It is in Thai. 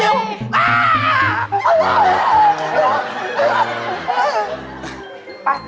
หัวข้าวเด็ก